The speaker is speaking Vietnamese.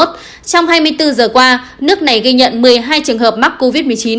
trong hai mươi bốn giờ qua nước này ghi nhận một mươi hai trường hợp mắc covid một mươi chín